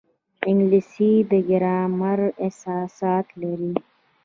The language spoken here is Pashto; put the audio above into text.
انګلیسي د ګرامر اساسات لري